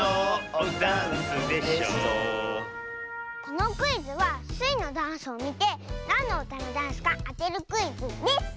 このクイズはスイのダンスをみてなんのうたのダンスかあてるクイズです！